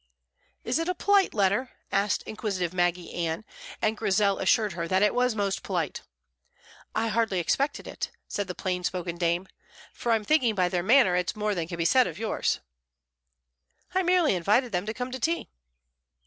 "Is it a polite letter?" asked inquisitive Maggy Ann, and Grizel assured her that it was most polite. "I hardly expected it," said the plain spoken dame, "for I'm thinking by their manner it's more than can be said of yours." "I merely invited them to come to tea."